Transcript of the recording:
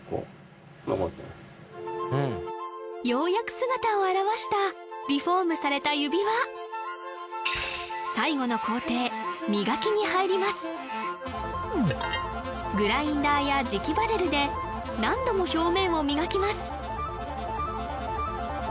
ようやく姿を現したリフォームされた指輪最後の工程磨きに入りますグラインダーや磁気バレルで何度も表面を磨きます